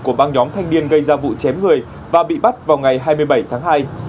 của băng nhóm thanh niên gây ra vụ chém người và bị bắt vào ngày hai mươi bảy tháng hai